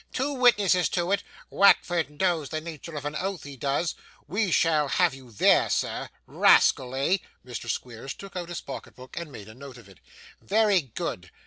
'Two witnesses to it; Wackford knows the nature of an oath, he does; we shall have you there, sir. Rascal, eh?' Mr. Squeers took out his pocketbook and made a note of it. 'Very good.